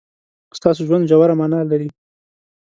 ستاسو ژوند ژوره مانا لري.